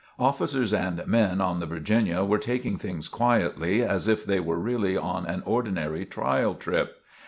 Officers and men on the "Virginia" were taking things quietly as if they were really on an ordinary trial trip.